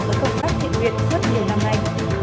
của công tác thiện luyện suốt nhiều năm nay